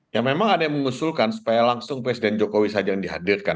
ya memang ada yang mengusulkan supaya langsung presiden jokowi saja yang dihadirkan